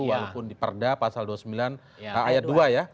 walaupun diperdah pasal dua puluh sembilan ayat dua ya